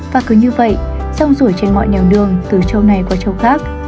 và cứ như vậy song rủi trên mọi nẻo đường từ châu này qua châu khác